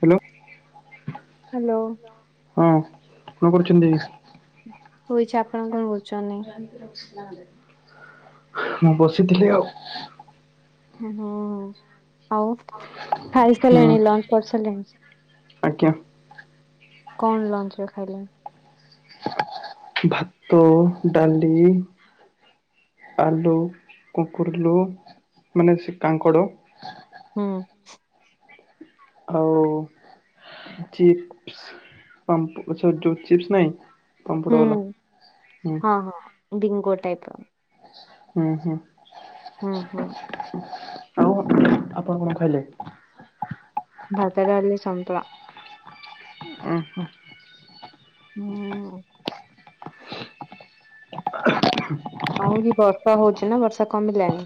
Hello. Hello. ହଁ କଣ କରୁଛନ୍ତି? ଶୋଇଛି, ଆପଣ କଣ କରୁଛନ୍ତି? ମୁଁ ବସିଥିଲି ଆଉ। ହଁ, ହଁ, ଆଉ ହଁ ଖାଇସାରିଲେଣି ଲଞ୍ଚ କରସା ସାଲେଣି? ଆଜ୍ଞା। କଣ ଲଞ୍ଚ ରେ ଖାଇଲେ? ଭାତ, ଡାଲି ଆଲୁ, କୁକୁରଲୁ ମାନେ ସେ କାଙ୍କଡ଼ ହଁ। ଆଉ ଚିପ୍ସ ପାମ୍ପୁ ଗଛରେ ଯୋଉ ଚିପ୍ସ ନାଇଁ? ପାମ୍ପଡ଼ ହୁଁ, ବାଲା ହୁଁ, ହୁଁ ହଁ, ହଁ ଭିଙ୍ଗୋ ଟାଇପ୍ ର। ହୁଁ, ହୁଁ। ହୁଁ, ହୁଁ। ଆଉ ଆପଣ କଣ ଖାଇଲେ? ଭାତ, ଡାଲି, ସନ୍ତୁଳା। ଓ ହୋ। ହଁ। ଆଉରି ବର୍ଷା ହଉଛି ନା ବର୍ଷା କମିଲାଣି?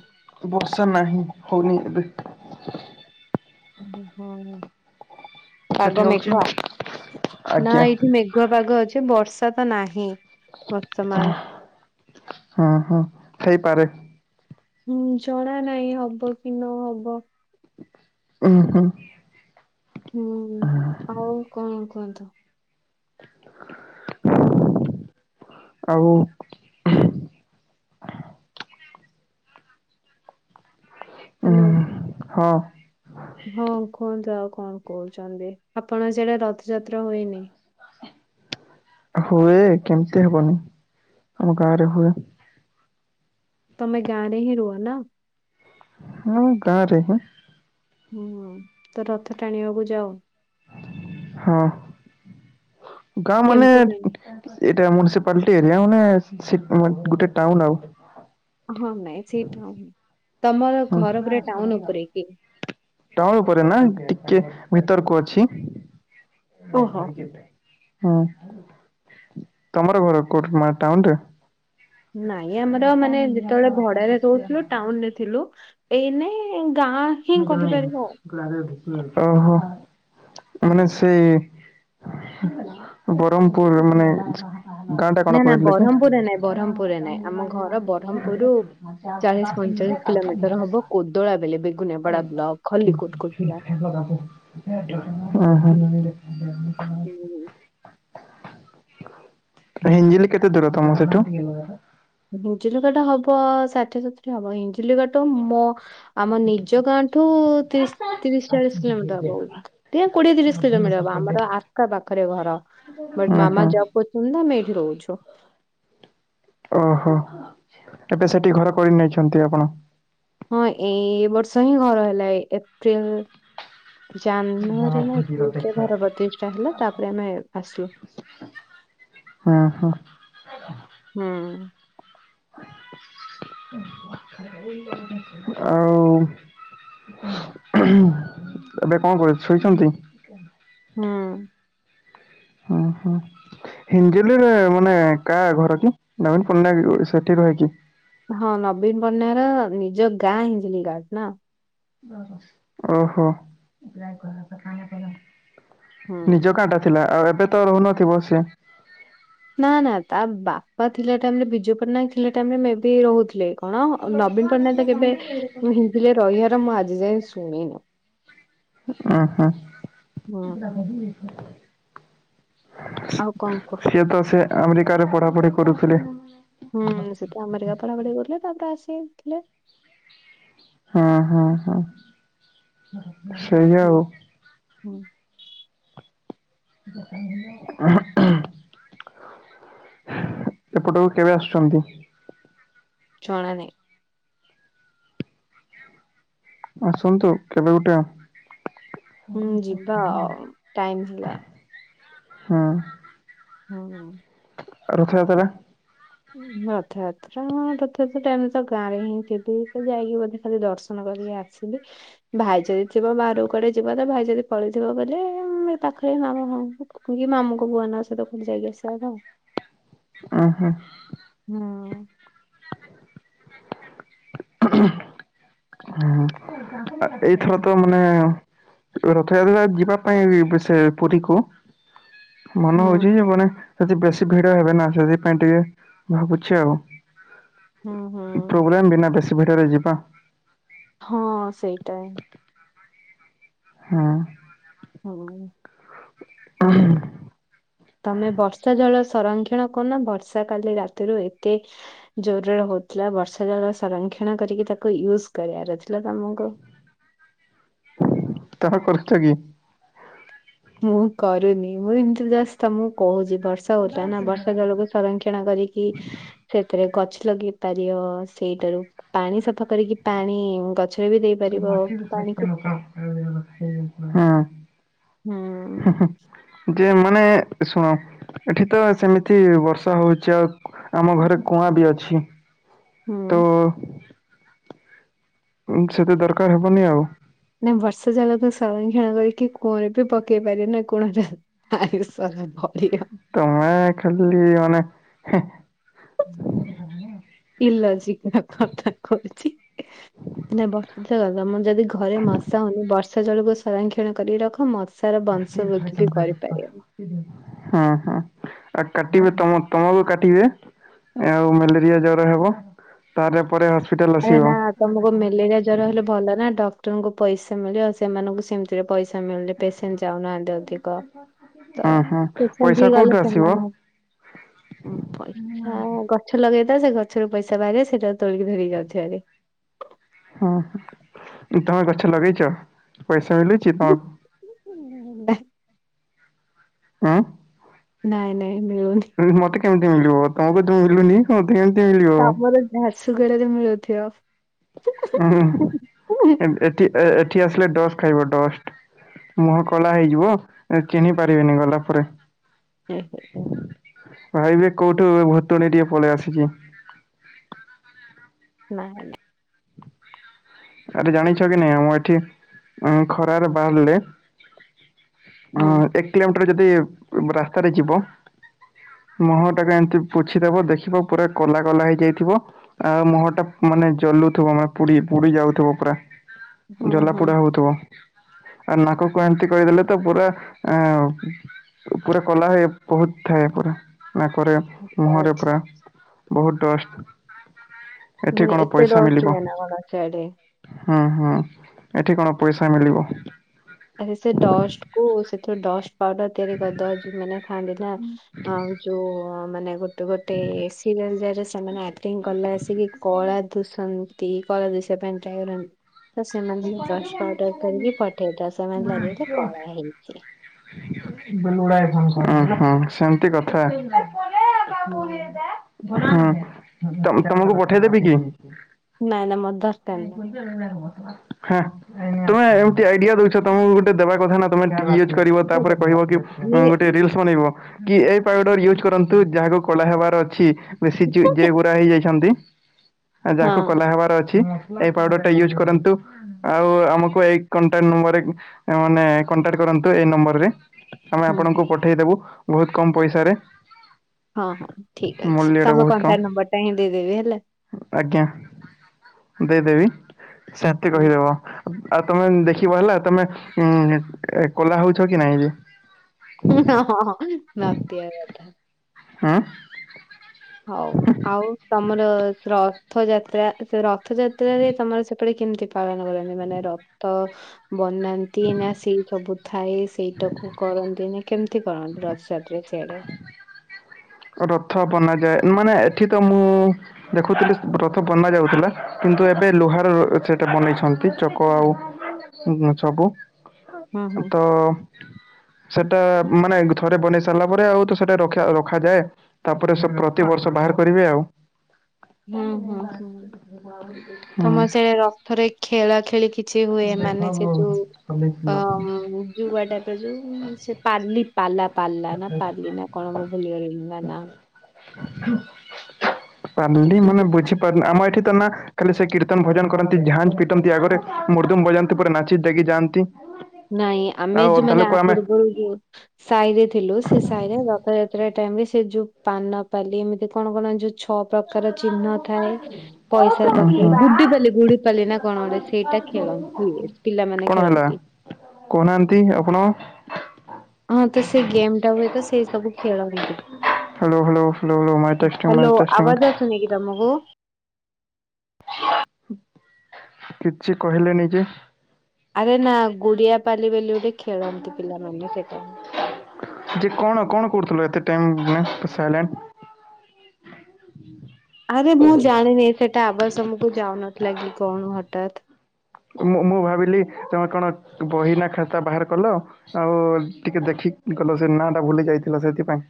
ବର୍ଷା ନାହିଁ ହଉନି ଏବେ। ମେଘ, ସେଠି ପାଗ ହଉଛି? ମେଘୁଆ ନା ଆଜ୍ଞା ଏଇଠି ମେ ଘୁଆ ପାଗ ଅଛି ବର୍ଷା ତ ନାହିଁ ବର୍ତ୍ତମାନ। ହଁ, ହଁ ହେଇପାରେ। ହୁଁ, ଜଣା ନାହିଁ ହବ କି ନ ହବ। ଓହୋ। ହୁଁ, ଆଉ କଣ କୁହନ୍ତ? ଆଉ ଉଁ ହ୍ୟାଲୋ। ହଁ। ହଁ କୁହନ୍ତୁ ଆଉ କଣ କହୁଛନ୍ତି? ଆପଣ ସିଆଡେ ରଥଯାତ୍ରା ହୁଏନି? ହୁଏ କେମିତି ହବନି ଆମ ଗାଁ ରେ ହୁଏ। ତୋମେ ଗାଁରେ ହିଁ ରୁହ ନା? ହଁ ଗାଁ ରେ ହିଁ। ହୁଁ, ତ ରଥ ଟାଣିବାକୁ ଯାଅ? ହଁ ଗାଁ ମାନେ କେମିତି ଟାଣ ଏଇଟା ମୁନିସିପାଲିଟି ଏରିଆ ମାନେ ସେ ମାନ ଗୋଟେ ଟାଉନ୍ ଆଉ। ହଁ ନାଇଁ ସେଇଟା, ତୋମର ଘର ଉପରେ ଟାଉନ୍ ଉପରେ କି? ଟାଉନ୍ ଉପରେ ନା ଟିକେ ଭିତରକୁ ଅଛି। ଓହୋ ହଁ, ତୋମର ଘର କୋଉଠି ମା ଟାଉନ୍ ରେ। ନାଇଁ ଆମର ମାନେ ଯେତେବେଳେ ଭଡାରେ ରହୁଥିଲୁ ଟାଉନ୍ ରେ ଥିଲୁ। ଏଇନେ ଗାଁ ହିଁ କହିପାରିବ ଆଉ ଓହୋ, ଏ ମାନେ ହୁଁ। ସେ ସେ ବରମପୁର ମାନେ ଗାଁ ଟା କଣ ନା ନା କହିଲେ କି ବ୍ରହ୍ମପୁରରେ ନାଇଁ ବ୍ରହ୍ମପୁରରେ ନାଇଁ ଆମ ଘର ବ୍ରହ୍ମପୁରୁ। ଚାଳିଶି, ପଇଁଚାଳିଶି କିଲୋମିଟର ହବ କୋଦଳା ବେଲେ ବେଗୁନପଡା ବ୍ଲକ ଖଲି କୋଟ କୋଳା। ଲଗା କୁ ଅ ହଁ। ହୁଁ ହୁଁ। ହିଞ୍ଜିଲ କେତେ ଦୂର ତମ ସେଠୁ। ଟିନୁ ଦାଦା। ହିଞ୍ଜିଲି କା ଟା ହବ ଷାଠିଏ, ସତୁରି ହବ ହିଞ୍ଜିଲି କା ଟ ମୋ। ଆମ ନିଜ ଗାଁଠୁ ତିରିଶି, ତିରିଶି, ଚାଳିଶି କିଲୋମିଟର ହବ ଉଁ। ଟିଏ କୋଡିଏ ତିରିଶି କିଲୋମିଟର ହବ ଆମର ଆର୍କା ପାଖରେ ଘର। ଅ ହଁ। କୋତିପି ନା ଆମେ ଏଇଠି ରହୁଛୁ। ଓହୋ ଏବେ ସେଠି ଘର କରି ନେଇଛନ୍ତି ଆପଣ। ହଁ ଏଇ ବର୍ଷ ହିଁ ଘର ହେଲା ଏଇ ଏପ୍ରିଲ୍। ଜାନୁଆରୀ ନା ଏପ୍ରିଲ୍ ରେ ଘର ପ୍ରତିଷ୍ଠା ହେଲା ତା ପରେ ଆମେ ଆସିଲୁ। ହଁ ହଁ। ହୁଁ। ଆଉ। ଏବେ କଣ କରିବେ ସୋଇଛନ୍ତି। ହୁଁ। ଅ ହଁ। ହିଞ୍ଜଲିରେ ମାନେ କା ଘର କି ନବୀନ ପଟ୍ଟନାୟକ ସେଠି ରହେ କି? ହଁ ନବୀନ ପଟ୍ଟନାୟକ ର ନିଜ ଗାଁ ହିଞ୍ଜିଲିଗାଡ଼ ନା। ଓହୋ ନିଜ ହୁଁ ଗାଁ ଟା। ଥିଲା ଆଉ ଏବେ ତ ରହୁନଥିବ ସିଏ। ନା ନା ତା ବାପା ଥିଲା ଟାଇମ୍ ରେ ବିଜୁ ପଟ୍ଟନାୟକ ଥିଲା ଟାଇମ୍ ରେ ମେ ବି ରହୁଥିଲେ। କଣ ନବୀନ ପଟ୍ଟନାୟକ ତ କେବେ ହିଞ୍ଜିଳି ରେ ରହିବାର ମୁଁ ଆଜି ଯାଏ ଶୁଣିନି। ଆ ହା। ହୁଁ ହୁଁ। ଆଉ କଣ କୁହ। ସିଏ ତ ସେ ଆମେରିକାରେ ପଢ଼ାପଢ଼ି କରୁଥିଲେ। ହୁଁ ସେତ ଆମେରିକାରେ ପଢାପଢି କରୁଥିଲେ ତାପରେ ଆସିଥିଲେ। ହଁ ହଁ ହଁ ସେଇଆ ହୁଁ ଆଉ। ହୁଁ। ଉଁ ହୁଁ। ଏପଟକୁ କେବେ ଆସୁଛନ୍ତି। ଜଣା ନାହିଁ। ଆସନ୍ତୁ କେବେ ଗୁଟେ ଆ। ହୁଁ ଯିବା ଆଉ ଟାଇମ ଥିଲା। ହଁ। ହୁଁ। ରଥଯାତ୍ରା। ରଥଯାତ୍ରା, ରଥଯାତ୍ରା ଟାଇମ୍ ରେ ତ ଗାଁ ରେ ହିଁ ଥିବି। ତ ଯାଇକି ବୋଧେ ଖାଲି ଦର୍ଶନ କରିକି ଆ ଥିଲି। ଭାଇ ଯଦି ଥିବ ବାହାରକୁ କୁଆଡେ ଯିବ ତ ଭାଇ ଯଦି ପଳେଇଥିବ ବୋଲେ ଏ ପାଖରେ ମାମୁଁ ଘରକୁ। କି ମାମୁଁ ଙ୍କ ପୁଅ ନା କୁଆଡେ ଯାଇକି ଆସିବା କଥା। ଅ ହ। ହୁଁ। ହୁଁ। ଏଇଥର ତ ମାନେ ରଥଯାତ୍ରା ଯିବା ପାଇଁ ଏବେ ସେ ପୁରୀକୁ ମନ ହୁଁ ହଉଛି ଯେ ମାନେ ସେଠି ବେଶୀ ଭିଡ ହେବେ ନା ସେଥିପାଇଁ ଟିକେ ଭାବୁଛି ଆଉ। ହୁଁ ହୁଁ। ପ୍ରୋବ୍ଲେମ୍ ବିନା ବେଶୀ ଭିଡ଼ରେ ଯିବା। ହଁ ସେଇଟା। ହୁଁ। ହୁଁ। [unintelligible] ତମେ ବର୍ଷା ଜଳ ସଂରକ୍ଷଣ କରୁନ ବର୍ଷା କାଲି ରାତିରୁ ଏତେ ଜୋର୍ ରେ ହଉଥିଲା। ବର୍ଷା ଜଳ ସଂରକ୍ଷଣ କରିକି ତାକୁ ୟୁଜ୍ କରିଆର ଥିଲା ତମକୁ। ତାହା କରଛ କି? ମୁଁ କରୁନି। ମୁଁ ଏମିତି ଜଷ୍ଟ ତମକୁ କହୁଛି ବର୍ଷା ତ ଓଦା ନା ବର୍ଷା ଜଳକୁ ସଂରକ୍ଷଣ କରିକ୍ କି ସେଥିରେ ଗଛ ଲଗେଇ ପାରିବ ସେଇଟାରୁ। ପାଣି ସଫା କରିକି ପାଣି ଗଛରେ ବି ଦେଇପାରିବ ପାଣିକୁ। [unintelligible] ହଁ ହୁଁ ହେଁ -ହଁ। ଯେ ମାନେ ଶୁଣ? ଏଠି ତ ସେମିତି ବର୍ଷା ହଉଛି, ଆଉ ଆମ ଘରେ କୁଆଁ ବି ଅଛି। ହୁଁ ତ ଉଁ। ଉଁ ସେତେ ଦରକାର୍ ହବନି ଆଉ। ନା ବର୍ଷା ଜଳ ତ ସଂରକ୍ଷଣ କରିକି କୂଅରେ ବି ପକେଇ ପାରିବେ ନା କୋଣଟା। [inaudible] ତମେ ଖାଲି ମାନେ ହେଁ। କି ଲଜିକ୍ର ଧକ୍- ଧକ୍ ଖଥା କହୁଚି। ମାନେ ବର୍ଷା ଥୀ ଦେଖ ତମର୍ ଯଦି ଘରେ ମଶା ହଉନି ବର୍ଷା ଜଳକୁ ସଂରକ୍ଷଣ କରିକି ରଖ ମଶ୍ ସାରା ବଂଶ ବୃଦ୍ଧି ବି କରିପାରିବ। ହଁ ହଁ ଆ କାଟିବେ ତମ ତମ ବି କାଟିବେ? ଆଉ ମେଲେରିଆ ଜର ହେବ ତାର୍ ରେ ପରେ ହସ୍ପିଟାଲ ଆରେ ଆସିବ। ନା। ତମକୁ ମେଲେରିଆ ଜର ହେଲେ ଭଲ ନା ଡକ୍ଟରଙ୍କୁ ପଇସା ମିଳିବ ଆଉ ସେମାନଙ୍କୁ ସେମିତିରେ ପଇସା ମିଲ୍ ଲି ପେସେଣ୍ଟ ଯାଉନାହାନ୍ତି ଅଧିକ ତ ଉଁ ହୁଁ ପେସେଣ୍ଟ ପଇସା କୋଉଠୁ ହେଇଗଲେ ଆସିବ ସେମାନଙ୍କୁ ପଇସା ଗଛ ଲଗେଇଦବ ସେ ଗଛରୁ ପଇସା ବାହାରିବ ସେଟାକୁ ତୋଳିକି ଧରିକି ଆଉଥିଭାରି। ହଁହଁ ତମେ ଗଛ ଲଗେଇଛ ପଇସା ମିିଲୁଛି ତମକୁ? ନାଁ। ହଁ ଅଁ। ନାଇଁ ନାଇଁ ମିଳୁନି। ସେମିତି ମୋତେ କେମିତି ମିଳିବ ତମକୁ ତ ମିଳୁନି ମତେ କେମିତି ମିଳିବ? ଆମର ଝାରସୁଗୁଡାରେ ମିଳୁଥିବ? ହୁଁ ଏମ୍ ଏଠି ଏ ଏଠି ଆସିଲେ ଡଷ୍ଟ ଖାଇବ ଡଷ୍ଟ। ମୁହଁ କଳା ହେଇଯିବ, ଏ ଚିହ୍ନି ପାରିବେନି ଗଲା ପରେ। ଏ ହେ ଏ। ଭାଇ ଏବେ କୋଉଠି? ଏବେ ହୋଟେଲ ଟିକିଏ ପଳେଇ ଆସିଚୁ। ନାଁ। ଆରେ ଜାଣିଛ କି ନାଇଁ, ଆମର ଏଠି ଖରାରେ ବାହାରିଲେ ହୁଁ ଉଁ ଏକ କିଲୋମିଟର ଯଦି ରାସ୍ତାରେ ଯିବ ମୁହଁଟାକୁ ଏମିତି ପୋଛିଦେବ ଦେଖିବ ପୁରା କଲା କଲା ହେଇଯାଇଥିବ ଆଉ ମୁହଁ ଟା ମାନେ ଜଲୁଥିବ ମାନେ ପୁଡି ପୁଡି ଯାଉ। ଥିବ ପୁରା ହୁଁ ହୁଁ ଜଲାପୋଡ଼ା ହଉଥିବ। ଆ ନାକକୁ ଏମିତି କରିଦେଲେ ତ ପୁରା ଏଁ ଆଉ। ପୁରା କଲା ହେ ବହୁତ ଥାଏ ପୁରା ନାକରେ। ଆଚ୍ଛା ମୁହଁରେ ଆଚ୍ଛା ପୁରା ବହୁତ ଡଷ୍ଟ, ଏଠି କଣ ପଇସା ମିଳିବ? ଧନ ଚଡ଼ି। ହୁଁ, ହୁଁ ଏଠି କଣ ପଇସା ମିଳିବ? ଆରେ ସେ ଡଷ୍ଟକୁ ସେଥିରେ ଡଷ୍ଟ ପାଉଡର ତିଆରି କରିଦବ ଜୁ ମାନେ ମାନେ ଥାଆନ୍ତି ନା ଯୋଉ ମାନେ ଗୋ ଗୋଟେ ଏସି ରହିଯାରେ ସେମାନେ ଆକ୍ଟିଂ କଲା ବସିକି କଳା ଭୁଶୁ [inaudible] ଆମକୁ ଲାଗୁଛି ଯେ କଳା ହେଇଛି। [inaudible] ଉଁ ହୁଁ ସେମିତି କଥା। ହୁଁ। ହୁଁ ତମ ତମକୁ ପଠେଇଦେବି କି? ନାଇଁ ନାଇଁ ମୋର ଦରକାର ନାଇଁ। ହେଁ ତମେ ଏମିତି ଆଇଡିଆ ଦଉଛ, ତମକୁ ଗୋଟେ ଦେବା କଥା ନା। ମାନେ ଟିକେ ୟୁଜ୍ କରିବ ମୋର ତାପରେ କହିବ ଦରକାର କି ନାହିଁ। ଇଏ ଗୋଟେ ରିଲ୍ସ ବନେଇବ କି ଏ ପାଉଡର ୟୁଜ୍ କରନ୍ତୁ ଯାହାକୁ କଳା ହେବାର ଅଛି, ବେଶୀ ଯିଏ ଗୋରା ହେଇ ଯାଇଛନ୍ତି ହଁ ଯାହାକୁ, କଳା ହେବାର ଅଛି ଏଇ ପାଉଡର ଟା ୟୁଜ କରନ୍ତୁ। ଆଉ ଆମକୁ ଏଇ କଣ୍ଟାଣ୍ଟ ନମ୍ବରରେ ମାନେ କଣ୍ଟାକ୍ଟ କରନ୍ତୁ ଏଇ ନମ୍ବରରେ। ଆମେ ହୁଁ ଆପଣଙ୍କୁ, ହୁଁ ପଠେଇଦବୁ ବହୁତ କମ ପଇସାରେ। ହଁ ହଁ ଠିକ ଅଛି ମୂଲ୍ୟଟା ତମ ବହୁତ କମ୍ କଣ୍ଟାକ୍ଟ ନମ୍ବର ଟା ହିଁ ଦେଇଦେବି ହେଲା। ଆଜ୍ଞା, ଦେଇଦେବି ସାଥି ହଁ କହିଦେବ। ଆଉ ତମେ ଦେଖିବ ହେଲା ତମେ ଉଁ କୋଲା ହଉଛ କି ନାଇଁ ଯେ? ହୁଁ ହୁଁ ହଁ ହଁ ନଟିଆ କଥା। ହେଁ ହଉ ଆଉ ତମର ରଥଯାତ୍ରା ସେ ରଥଯାତ୍ରାରେ ତମର ସେପ ସେପଟେ କେମିତି ପାଳନ କରନ୍ତି? ମାନେ ରଥ ବନାନ୍ତି ନା ସେଇ ସବୁ ଥାଏ ସେଇଟାକୁ କରନ୍ତି ନା କେମିତି କରନ୍ତି ରଥଯାତ୍ରା ସିଆଡେ? ରଥ ବନାଯାଏ। ମାନେ ଏଠି ତ ମୁଁ ଦେଖୁଥିଲି ରଥ ବନାଯାଉଥିଲା କିନ୍ତୁ ଏବେ ଲୁହାର ସେଇଟା ବନେଇଛନ୍ତି ଚକ ଆଉ [inaudible] ହୁଁ ତୁ ହୁଁ ତ ସେଇଟା ମାନେ ଥରେ ବନେଇ ସାରିଲା ପରେ ଆଉ ତ ସେଇଟା ରଖା ରଖାଯାଏ ତାପରେ, ସେ ପ୍ରତିିବର୍ଷ ବାହାର କରିବେ ଆଉ। ଓଃ ହଉ [inaudible] ତମର ସେ ରଥରେ ଖେଳାଖେଳି କିଛି ହୁଏ? ମାନେ ସେ ଯୁ [unintelligible] ଯୁଆ ଟାଇପର ଯୁ ସେ ପାଲି ପାଲା ପାଲା ନା ପାଲି ନା କଣ ମୁଁ ଭୁଲିଗଲିଣି ତା ନାଁ। ପାଲି ମାନେ ବୁଝି ଆମ ଏଠି ତ ନା ଖାଲି ସେ କୀର୍ତନ ଭଜନ କରନ୍ତି ଝାଞ ପିଟନ୍ତି ଆଗରେ ମୁର୍ଦାଙ୍ଗ ବଜାନ୍ତି ପରେ ନାଚି ଜାଗି ଯାଆନ୍ତି ତି ନାଇଁ ଆମେ ଯଉ ମାନେ ୟା ପୂର୍ବରୁ ଯଉ ସାହି ରେ ଥିଲୁ ସେ ସାହି ରେ ରଥଯାତ୍ରା ଟାଇମ ରେ ସେ ଯଉ ପାନପାଲି ଏମିତି କଣ ବନାନ୍ତି ଯୋଉ ଛପ ପ୍ରକାର ଚିହ୍ନ ଥାଏ ପଇସା ପକେଇ ଗୁଡି ପାଲି ଗୁଡି ପାଲି ନା କଣ ଗୋଟେ ସେଇଟା ଖେଳ ହୁଏ ପିଲାମାନେ କଣ ହେଲା ଖେଳନ୍ତି। କହୁନାହାନ୍ତି ଆପଣ? ହଁ ତ ସେ ଗେମ୍ ଟା ହୁଏ ତ ସେଇ ସବୁ ଖେଳନ୍ତି। Hello hello hello hello mic testing mic testing ଶୁଭୁନିକି ତମକୁ? କିଛି କହିଲେନି ଯେ? ଆରେ ନା ଗୁଡିଆ ପାଲି ବୋଲି ଗୋଟେ ଖେଳ ଥିଲା ସେଇଟା। ଯେ କଣ କଣ କରୁଥିଲ ଏତେ ଟାଇମ ମାନେ ସାଇଲେଣ୍ଟ ଆରେ ମୁଁ ଜାଣିନି ସେଟା ଆବାଜ ତମକୁ ଯାଉନଥିଲା କି କଣ ହଠାତ୍ ମୁଁ ମୁଁ ଭାବିଲି ତମେ କଣ ବହିନା ଖାତା ବାହାର କଲ। ଆଉ ଟିକେ ଦେଖି ଗଲ ସେ ନାଁ ଟା ଭୁଲି ଯାଇଥିଲା ସେଥିପାଇଁ।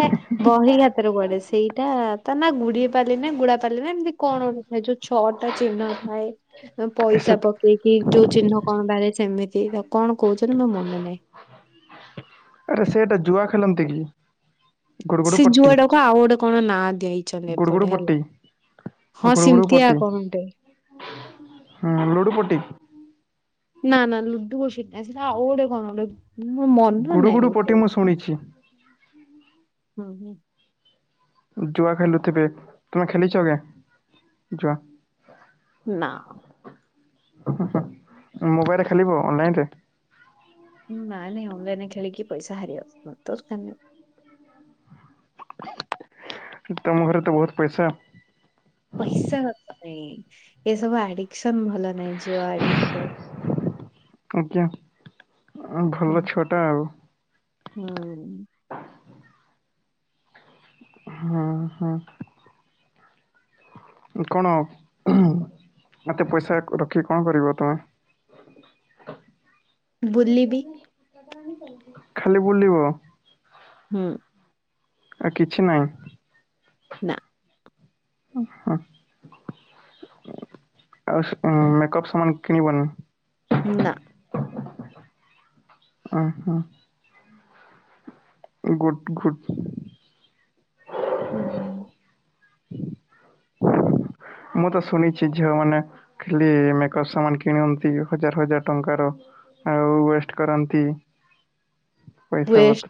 ହେ ବହି ଖାତା ରେ କୁଆଡେ ସେଇଟା ତା ନା ଗୁଡ଼ିଆ ପାଲି ଗୁଡା ପାଲି ଏମିତି କଣ ହେ ଯଉ ଛଅଟା ଚିହ୍ନ ଥାଏ ସେ ପଇସା ପକେଇକି ଯୋଉ ଚିହ୍ନ କଣ ବାହାରେ ସେମିତି କଣ କହୁଛନ୍ତି ମୋର ମନ ନାହିଁ। ଆରେ ସେଟା ଜୁଆ ଖେଲନ୍ତି କି? ଗୁଡୁଗୁଡୁ ସେ ପଟି ଜୁଆଟାକୁ ଆଉ ଗୋଟେ କଣ ନା ଦେଇଛନ୍ତି ଗୁଡୁଗୁଡୁ ଏପଟେ ପଟି ହେଲା। ହଁ ଗୁଡୁ ଗୁଡୁ ସେିମିତିଆ ପଟି କଣ ଗୋଟେ। ହୁଁ ଲୁଡୁ ପଟି। ନା ନା ଲୁଡୁ ପଟି ନାହିଁ ସେଟା ଆଉଗୋଟେ କଣ ମୋ ମନ ଗୁଡୁ ଗୁଡୁ ନାହିଁ। ପଟି ହୁଁ। ମୁଁ ଶୁଣିଛି। ଜୁଆ ଖେଲୁଥିବେ ତୁମେ ଖେଲିଛ କେ ଜୁଆ। ନା। ମୋବାଇଲରେ ଖେଲିବ ଅନ ଲାଇନ ରେ। ହୁଁ ନାଇଁ ନାଇଁ ଅନଲାଇନରେ ଖେଳିକି ପଇସା ହାରିବା ଦରକାର ନାହିଁ। ତମ ଘରେ ତ ବହୁତ ପଇସା। ପଇସା ନାଇଁ ଏ ସବୁ ଆଡିକସନ ଭଲ ନାହିଁ ଜୁଆ ଆଡିକ୍ସନ୍। ଆଜ୍ଞା ହଁ ଭଲ ଛୁଆଟା ଆଉ। ହୁଁ। ହୁଁ ହଁ କଣ? ମତେ ପଇସା ରଖିକି କଣ କରିବ ତୁମେ? ବୁଲିବି ଖାଲି ବୁଲିବ। ହୁଁ। କିଛି ନାହିଁ। ନା ଅହ ଆଉ ମେକପ୍ ସାମାନ କିଣିବନି? ନାଁ। ଓହୋ। ଗୁଡ଼ ଗୁଡ଼। ହୁଁ। ମୁଁ ତ ଶୁଣିଛି ଝିଅମାନେ ଖାଲି ମେକଅପ ସେମାନେ କିଣନ୍ତି ହଜାର ହଜାର ଟଙ୍କାର। ଆଉ ୱେଷ୍ଟ କରନ୍ତି ପଇସା ପତ୍ର। ୱେଷ୍ଟ